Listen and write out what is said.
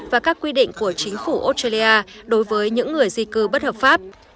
và các quy định của chính phủ australia đối với những người di cư bất hợp pháp